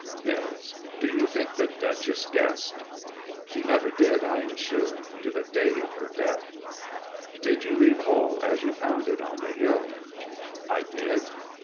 'Mills, do you think the Duchess guessed?' 'She never did, I am sure, to the day of her death.' 'Did you leave all as you found it on the hill?' 'I did.'